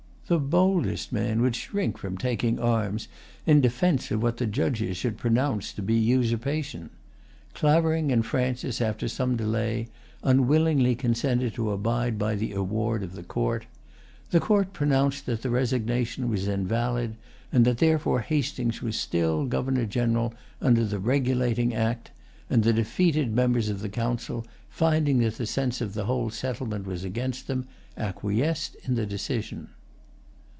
The boldest man would shrink from taking arms in defence of what the judges should pronounce to be usurpation. Clavering and Francis, after some delay, unwillingly consented to abide by the award of the court. The court pronounced that the resignation was invalid, and that therefore Hastings was still Governor General under the Regulating Act; and the defeated members of the Council, finding that the sense of the whole settlement was against them, acquiesced in the decision.